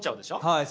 はい。